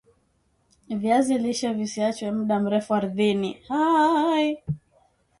viazi lishe visiachwe mda mrefu ardhini